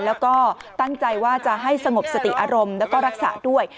แล้วก็ตั้งใจว่าจะให้สงบสติอารมณ์แล้วก็รักษาด้วย